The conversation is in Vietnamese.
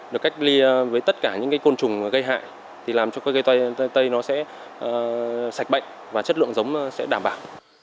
được cách ly với tất cả những côn trùng gây hại thì làm cho cây khoai tây nó sẽ sạch bệnh và chất lượng giống sẽ đảm bảo